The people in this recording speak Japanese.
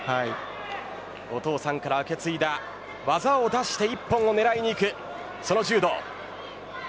お父さんから受け継いだ技を出して一本を狙いにいくその柔道。